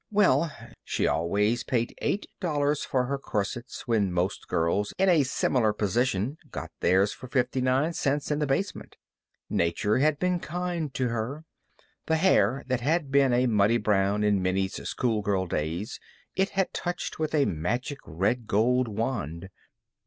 Well, she always paid eight dollars for her corsets when most girls in a similar position got theirs for fifty nine cents in the basement. Nature had been kind to her. The hair that had been a muddy brown in Minnie's schoolgirl days it had touched with a magic red gold wand.